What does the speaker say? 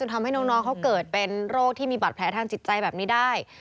ทำให้น้องเขาเกิดเป็นโรคที่มีบาดแผลทางจิตใจแบบนี้ได้